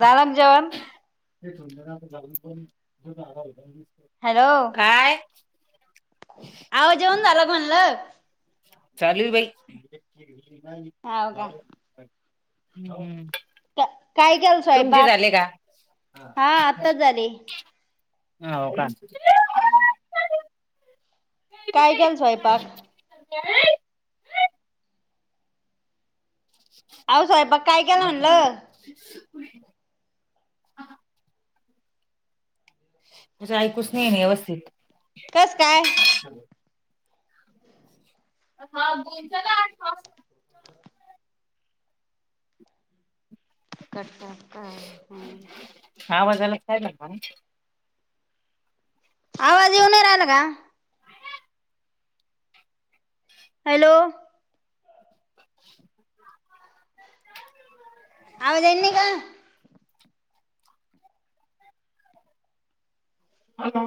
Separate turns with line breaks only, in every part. झालं ना जेवण?
[inaudible] काय?
आवाज येऊन झाला म्हणलं.
चालूयं बाई.
हाव का
[inaudible]
काय केलं
तुमचे
स्वयंपाक
झाले का
हा आत्ताच झाले
हा हो का [unintelligible]
[unintelligible] काय केला स्वयंपाक?
का [inaudible]
अहो स्वयंपाक काय केला म्हटलं?
होय आ ह. तुझा ऐकूच नाही व्यवस्थित
कसं काय!
हा गच ना आठ पा [unintelligible]
कटका का [unintelligible]
हवाजायला काय लागवा [unintelligible]
आवाज येऊनही राहिला का? हॅलो. आवाज येईना का?
हॅलो.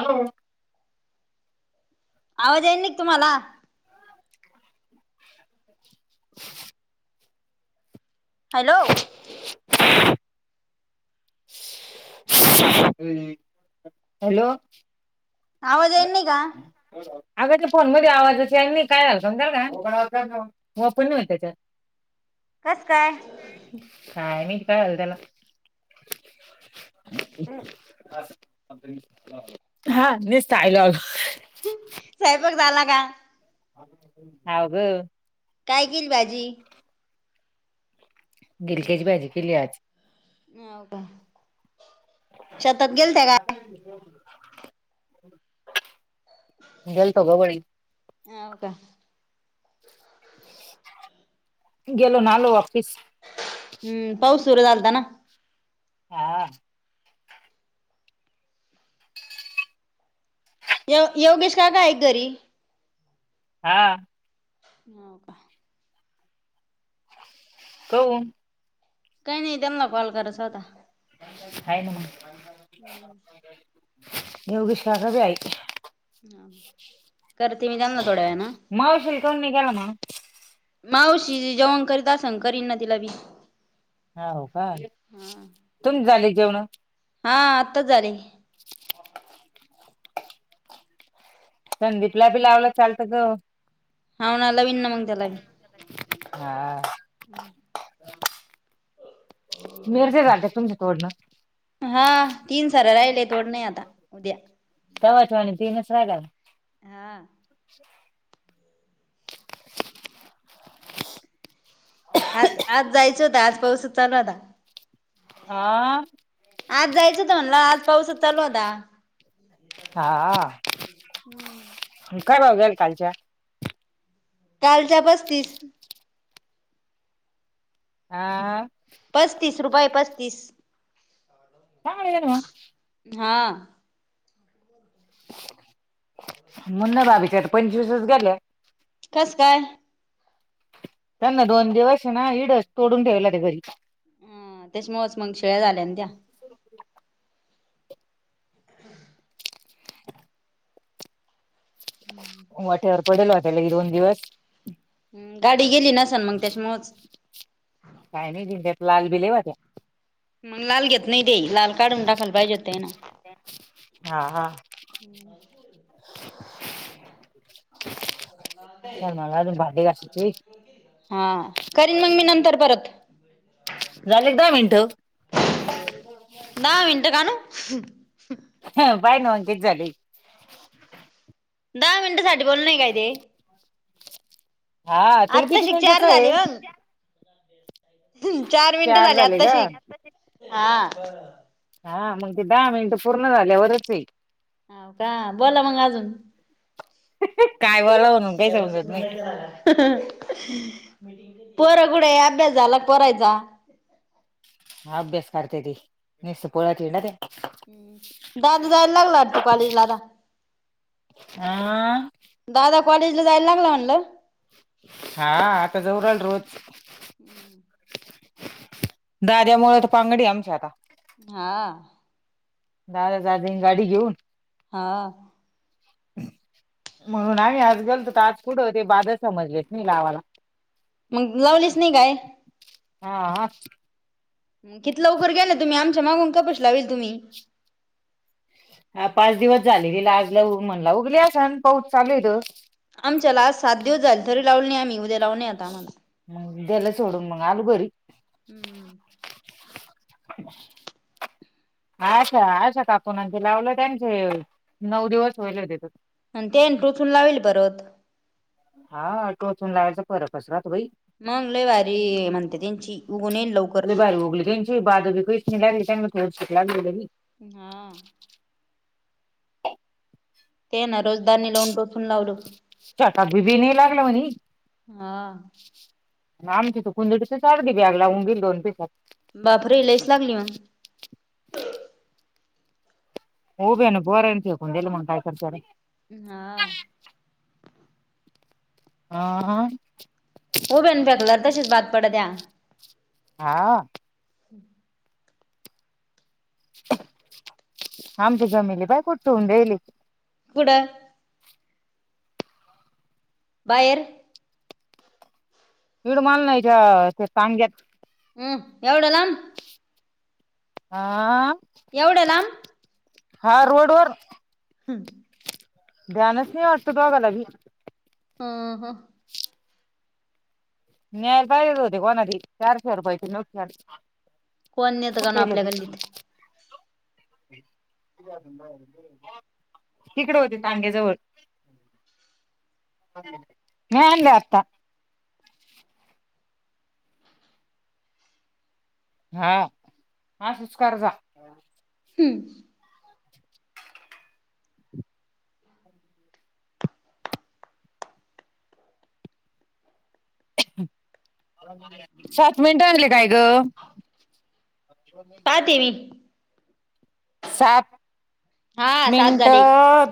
हॅलो.
आवाज येईन का तुम्हाला?
[unintelligible]
हॅलो.
[unintelligible] [unintelligible] हॅलो.
आवाज येनी का?
अग त्या फोन मध्ये आवाजच येईना काय झालतं त्याला ओपण नाही हो त्याच्या
कस काय?
काय नाही काय झालं तेला? [unintelligible] हा निस् डायलॉग
स्वयंपाक झाला का?
हव ग
काय किली भाजी
गिलक्याची भाजी केली आज
हो का शेतात गेलते काय
गेल्तो ग बळी
ह हो का
गेलोन आलो वापीस
हम्म पाऊस सुरू झालता ना
हा [unintelligible]
य योगेश काका आहे का घरी?
हा
हो का
हो
काही नाही त्यांना कॉल करायच होता.
हाय ना मग.
हम्म
योगेश काका बी हाये
करते मी त्यांना थोड्या वेळ न
मावशील काऊन नाही गेला मग
मावशी जेवण करीत अस करीन ना तिला बी
हो का तुम्ही झाले का जेवणं
हा आत्ताच झाले.
ह [inaudible] संदीपला बी लावलं चालतं ग
हा ना लावीन ना मग त्यालाबी
हा
हम.
मिरच्या झालत्या का तुमचं तोडण
हा तीन सऱ्या राहिल्यात.
[unintelligible] तीनच राहल्यात
हा
[inaudible]
आज आज जायचं होत आज पाऊसच चालू होता.
हा
आज जायचं होत म्हणला आज पाऊस चालू होता.
हा
हम्म.
काय भाव गेल्या कालच्या.
कालच्या पस्तीस.
हा.
पस्तीस रुपये पस्तीस.
चांगला गेला मग.
हा.
मुन्ना बाबीच्या पंचवीसच गेल्या.
कस काय.
त्यांना दोन दिवस ना इड तोडून ठेवेल होत्या घरी.
ह त्याच्यामुळच मग शिळ्या झाल्या न त्या्. [inaudible]
वाट्यावर पडेल हो त्याला लई दोन दिवस.
गाडी गेली नसन मग त्याच्यामुळच.
काय माहीन त्यात लाल बि लई होत्या.
मग लाल घेत नाही ते लाल काढून टाकायला पाहिजे होत्या तेयन.
हा हा
हम् [inaudible]
चल मला अजून भांडे घासायचे
हा करीन मग मी नंतर परत.
झाले का दहा मिनट.
ह ह [inaudible]
पाय नाव कीती झाले.
दहा मिनिटं साठी बोलनय काय ते.
हा तुला किती
आत्ताशिक चार
मीटचय.
झाले मग चार मिनट झाली
झाले का
आताशी, हा.
हा मग ते दहा मिनिटं पूर्ण झाल्यावरचे.
हो का बोला मंग अजून.
काय
ते
बोला म्हणून काही
आवाज येत
समजत
नाही आहे [unintelligible] पोर कुठे अभ्यास झाला पोरायचा.
ह अभ्यास करतेेत नस पोळत हीडात्या.
दादू जायला लागला वाटत कॉलेज आता.
आ.
कॉलेज ला जायला लागलं म्हणलं.
हा आता जऊ रायला रोज. दाद्यामुळत पांगडीय आमची आता.
हा.
दाद्या जात जाईन गाडी घेऊन.
हा.
म्हणून आम्ही आज गलतो त आज पुढं होते बाधा समजलेत नही लावाला.
मग लावलीच नाही काय?
हा.
किती लवकर गेला तुम्ही, आमच्या मागून कपशी लावेल तुम्ही.
हा पाच दिवस झाले गे ला आजला म्हणला उघली अस सण पाऊच चालूयत.
आमच्याला आज सात दिवस झाले तरी लावू नाही आम्ही उ्याव नय आता आम्हाला.
देल सोडून मग आलु घरी.
हम्मम्.
[unintelligible] अछा आशा काकू ने ते लावलं त्यांचे नऊ दिवस वयल होतेत.
आणि ते टोचून लावेल परत.
हा आ टोचून लावायचा फरक होता.
मंगलवारी म्हणते त्यांची उघून येईल लवकर
बाद कुचथ नाही लग त्या म खेड शिकलाग [unintelligible]
हा ते ना रोजदारनी लावून टोचून लावलं
ट बी बी नाही लागलं म्ह
हा
आम तू कुंडडी चारडी ब्यागला उंगील दोन पसात
बापर येलच लागली मग
होऊबे ना बोरयेकेल म्हण काय करतर
हा
हा हा
उबेन फेकल तशीच भात पडत त्या
हा
हम्
आमची जमिलि पाय बाय कोठ ठेऊन दिली
ब बाहेर
विीड मल नाथ सांग्यात
हम् एवढलाम
हा
एवढ्या लांब
हा रोड वर
हां
ध्यानच नाही वाटत दोघाला भी
हम ह
न्यायला पाहिजेच होते. कोणा चारशे रुपयाची नोट
कोण नेत का नाही आपल्या गल्लीत
बरं बरं तिकडे होते तांग्याजवळ
[inaudible]
नाय आणलं आता हा हा सुचकार जा.
हम्म
सात मिनिट आणले काय ग. अ मी
पाहते
करायला
मी
सात
हा सात
मिनट
झाले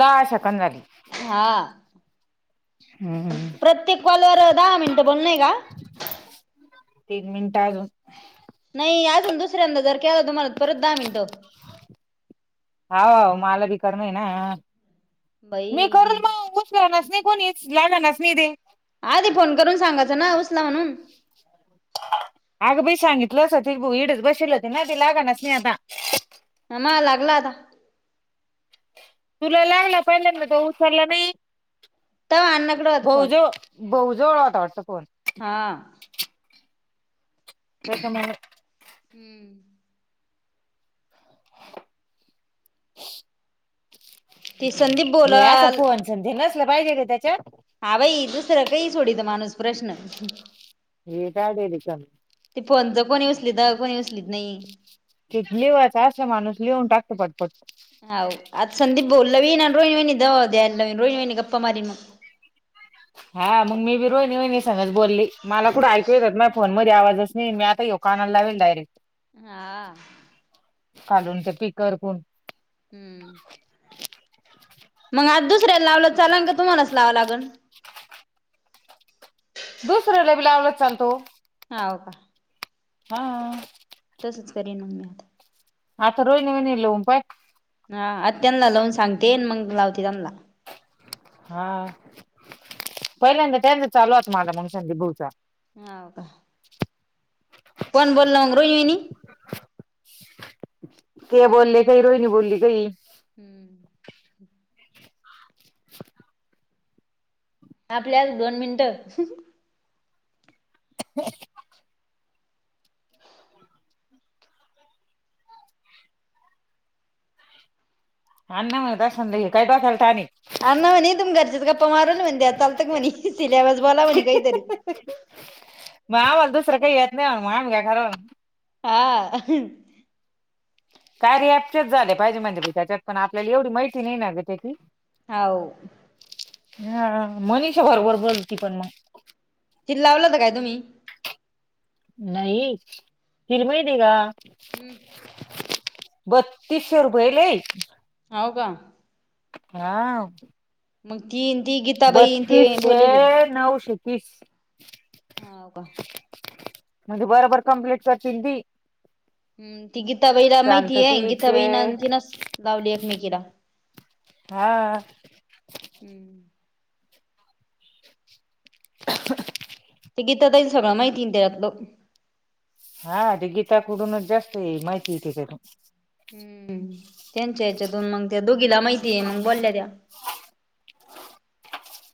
दहा सेंकड झाली.
हा
हम्म.
प्रत्येक कॉलवर दहा मिनटं बोल नाही का
तीन मिनिटं अजून
नाही अजून दुसऱ्यांदा जर केला तुम्हाल तर परत दहा मिनटं
होव मला बी करमेना. मी
बाई
करून मगा उचलनास तू. नाही कोणी [unintelligible]
आधी फोन करून सांगायचं ना उचला म्हणून
अगं बाई सांगितलं अस. ति इईडच बसल होती ना ती लागनाच नाही आता.
मा लागला आता,
तुला लागला पहिल्यांदा तो उचलला नाही.
तवा अण्णाकडे होता फोन
भाऊज भाऊज वाटा वाटत फोन
हा
त्याचा मालक
हम्म [inaudible] ते संदीप
हे असं
बोलाल
फोन च नसलं पाहिजे काय त्याच्यात,
हा भाई दुसरं काही सोडत माणूस प्रश्न
हे काढे रिकामी
ते फोनच कोणी उचलीत कोणी उसलीत नाही
ते लिवायच अस माणूस लिहून टाकतो पटपट
बोलावी ना रोहिणी वहिणी दवा द्यालावी रोहिणी वहिणी गप्पा मारी मग,
हा मग मी बी रोहिणी वैनी संगतच बोलली मला कुठं ऐकू येतात माझ फोन मध्ये आवाजच नाही. आता ये काेणाला लावीलाय.
हा
खालून ते पीकर कोण
हम्म मग आज दुसऱ्याला लावलं चालल का तुम्हालाच लावांव लागल.
दुसर्याला बी लावलंच चालतो.
हाव का
हा
तेच करीन मी आता
आता रोहिणी म्हणे लावून पाहा.
हा आ त्यांना लावून सांगते मग लावते त्यांना,
हा पहिल्यांदा त्यांत चालू आहेत माझा म्हणशां बऊचा
हो का कोण बोलल मग रोहिणी
के बोलले काही रोहीनी बोलली काही,
हम्म आपले आज दोन मिनिटं..
हाना दाशानला काय टाकायला आणि
अण्णा म्हणे तुमही घरच्याच गप्पा मारल. म्हणे त्या चालतं का म्हणे सिल्याबस बोला म्हणे काहीतरी [inaudible]
मग आम्हाला दुसरं काही येत नाही. मग आम्ही का घर
हा
काय रीयाप्चचेच झाले पाहिजे म्हणजे त्याच्यात पण आपल्याला एवढी माहिती नाही ना ग त्याची
होय
हा मनीषा बरोबर बोलती. पण मग
हिला लावलंत होत काय तुम्ही?
नाही हिला माहिती का?
हं
बत्तीसशे.. रुपये लय
होय का?
हा.
मग ती ते गीताबाई अन ते
बत्तीसशे
बोललेले
नऊशे तीस
होय का?
म्हणजे बरोबर कम्प्लीट करते ती.
हं ती गीताबाईला माहितीय आहे.
शांतती
गीता
ते
बाई आणि तिनच लावल एकमेकीला
हा
हंमम
[inaudible]
ते गीता ताईच सगळं माहिती ते त्यातलं
हा ते गीता कुडूनच जास्त माहिती येते. का तून
हं... त्यांच्या ह्याच्यातून मग त्या दोघीला माहिती आहे मग बोलल्या त्या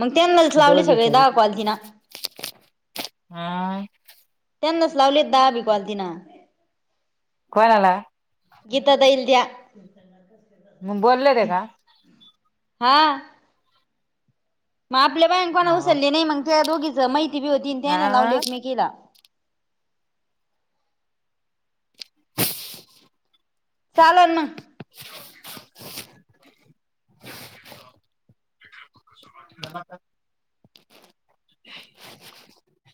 मग त्यानाच लावले
दोघीच
सगळे
बी
दहा कॉल तिन
हा
त्यांनाच लावलेत दहा पण कॉल तिन
कोणाला?
गीता ताईला त्या
मग बोललात का?
हा. मग आपल्या बायकांना
हा
उचलले नाही मग त्या दोघीच माहिती पण होती आणि त्यानी
हा.
लावली एकमेकींना मी केला चालल मग. [inaudible] [unintelligible]
धरा त्या [unintelligible] [inaudible]
[inaudible]